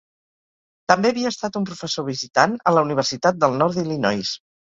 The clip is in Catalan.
També havia estat un professor visitant a la Universitat del Nord d'Illinois.